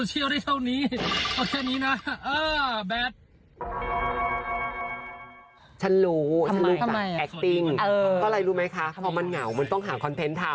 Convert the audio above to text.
ก็อะไรรู้ไหมคะเว้ามันเหงาเหมือนต้องหาคอนเทนต์ทำ